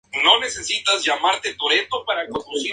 Algunos únicamente con cerdas o pelos.